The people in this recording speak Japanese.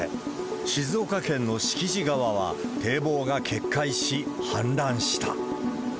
静岡県の敷地川は堤防が決壊し、氾濫した。